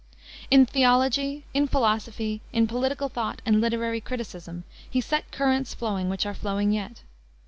In theology, in philosophy, in political thought, and literary criticism, he set currents flowing which are flowing yet.